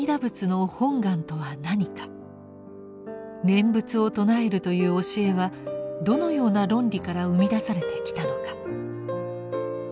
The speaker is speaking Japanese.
念仏を称えるという教えはどのような論理から生み出されてきたのか。